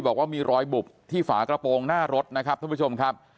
บอกว่ามีรอยบุบที่ฝากระโปรงหน้ารถนะครับท่านผู้ชมครับ